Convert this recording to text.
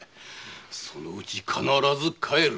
そのうち必ず帰る。